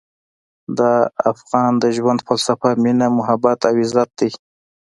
د افغان د ژوند فلسفه مینه، محبت او عزت دی.